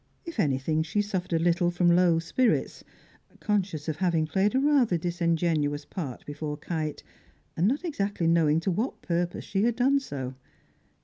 If anything, she suffered a little from low spirits, conscious of having played a rather disingenuous part before Kite, and not exactly knowing to what purpose she had done so.